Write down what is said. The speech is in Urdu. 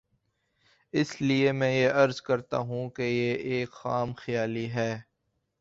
اس لیے میں عرض کرتا ہوں کہ یہ ایک خام خیالی ہے۔